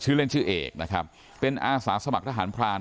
เล่นชื่อเอกนะครับเป็นอาสาสมัครทหารพราน